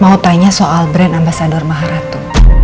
mau tanya soal brand ambasador maharatu